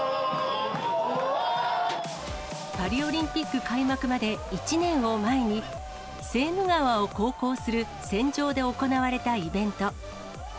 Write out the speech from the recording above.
パリオリンピック開幕まで１年を前に、セーヌ川を航行する船上で行われたイベント。